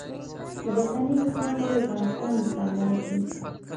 د برټانیې حکومت غواړي افغانستان مستعمره کړي.